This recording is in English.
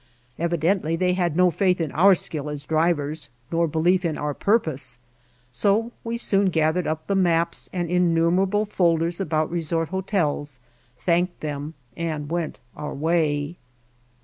Evidently they had no faith in our skill as drivers, nor belief in our purpose, so we soon gathered up the maps and innumerable folders about resort hotels, thanked them, and went our way.